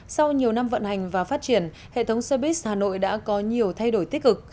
sau nhiều năm vận hành và phát triển hệ thống xe buýt hà nội đã có nhiều thay đổi tích cực